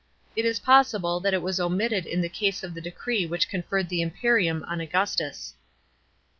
It is possible that it was omitted in the case of the decree which conferred the imperium on Augustus.